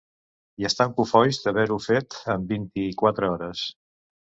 I estan cofois d’haver-ho fet en vint-i-quatre hores.